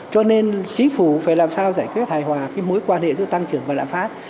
cho nên chính phủ phải làm sao giải quyết hài hòa mối quan hệ giữa tăng trưởng và lạm phát